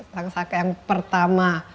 langsaka yang pertama